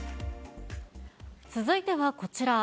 続いてはこちら。